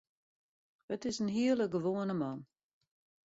It is in hiele gewoane man.